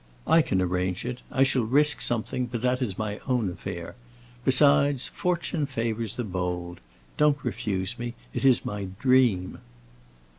I can arrange it. I shall risk something, but that is my own affair. Besides, fortune favors the bold. Don't refuse me; it is my dream!"